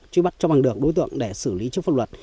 truy bắt cho bằng được đối tượng để xử lý trước pháp luật